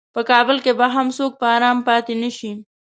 په کابل کې به هم څوک په ارام پاتې نشي.